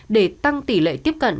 để tăng tỷ lệ tiếp cận